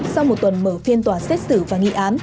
sau một tuần mở phiên tòa xét xử và nghị án